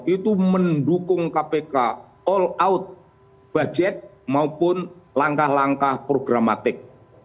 itu mendukung kpk all out budget maupun langkah langkah programatik